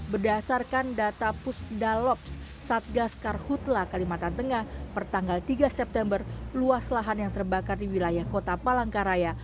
berdasarkan data pusdalops satgas karhutla kalimantan tengah pertanggal tiga september luas lahan yang terbakar di wilayah kota palangkaraya